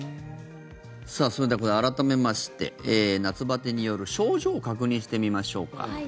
それでは、改めまして秋バテによる症状を確認してみましょうか。